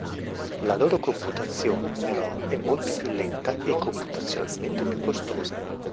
La loro computazione, però, è molto più lenta e computazionalmente più costosa.